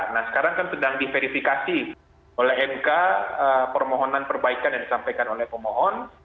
nah sekarang kan sedang diverifikasi oleh mk permohonan perbaikan yang disampaikan oleh pemohon